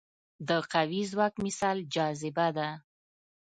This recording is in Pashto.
د قوي ځواک مثال جاذبه ده.